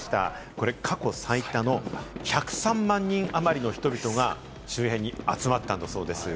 これ過去最多の１０３万人あまりの人々が周辺に集まったんだそうです。